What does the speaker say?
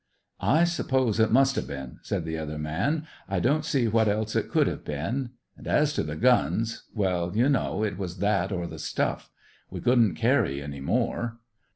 "I suppose it must have been," said the other man. "I don't see what else it could have been. And as to the guns; well, you know, it was that or the stuff. We couldn't carry any more."